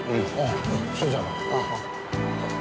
それじゃあな。